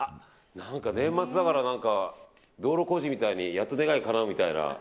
年末だから道路工事みたいにやっと願いかなうみたいな。